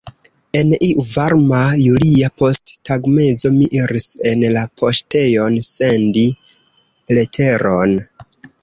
En iu varma julia posttagmezo mi iris en la poŝtejon sendi leteron.